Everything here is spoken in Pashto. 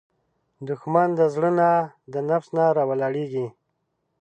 دښمن د زړه نه، د نفس نه راولاړیږي